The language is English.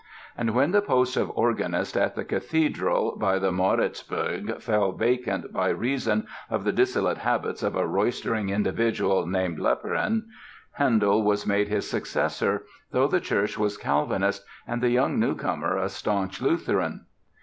And when the post of organist at the Cathedral "by the Moritzburg" fell vacant by reason of the dissolute habits of a roystering individual named Leporin, Handel was made his successor, though the church was Calvinist and the young newcomer a staunch Lutheran.